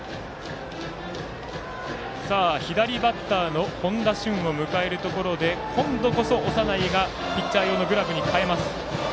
左バッターの本多駿を迎えるところで今度こそ、長内がピッチャー用のグラブに換えます。